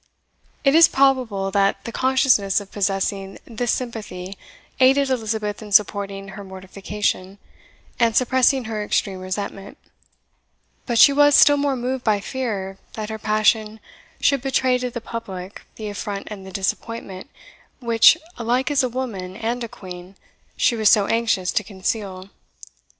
It is probable that the consciousness of possessing this sympathy aided Elizabeth in supporting her mortification, and suppressing her extreme resentment; but she was still more moved by fear that her passion should betray to the public the affront and the disappointment, which, alike as a woman and a Queen, she was so anxious to conceal.